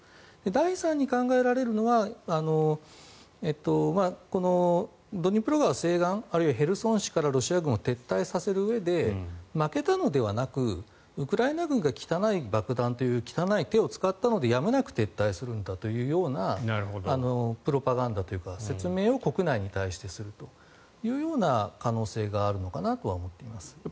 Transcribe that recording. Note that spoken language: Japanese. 第３に考えられるのはドニプロ川西岸あるいはヘルソン市からロシア軍を撤退させるうえで負けたのではなくウクライナ軍が汚い爆弾という汚い手を使ったので、やむなく撤退するんだというようなプロパガンダというか説明を国内に向けてするという可能性があるのかなとは思っています。